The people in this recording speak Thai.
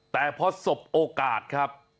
แต่พอสบโอกาสครับ